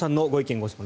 ・ご質問